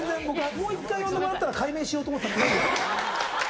もう一回呼んでもらったら、解明しようと思ってた。